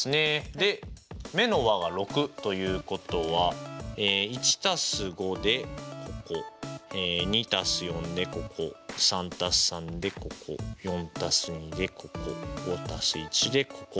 で目の和が６ということは１＋５でここ２＋４でここ３＋３でここ４＋２でここ５＋１でここ。